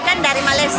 kebanyakan dari malaysia